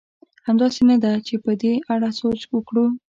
همداسې نه ده؟ چې په دې اړه سوچ وکړو.